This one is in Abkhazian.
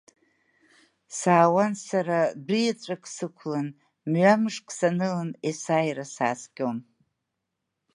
Саауан сара дәы иаҵәак сықәлан мҩамшк санылан есааира сааскьон.